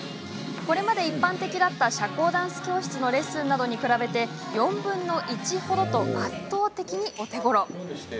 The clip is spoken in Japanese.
これまで一般的だった社交ダンス教室のレッスンなどに比べ４分の１ほどと圧倒的にお手ごろ。